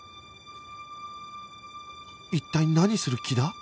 一体何する気だ？